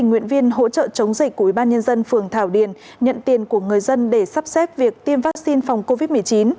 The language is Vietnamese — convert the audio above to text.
nguyện viên hỗ trợ chống dịch của ubnd phường thảo điền nhận tiền của người dân để sắp xếp việc tiêm vaccine phòng covid một mươi chín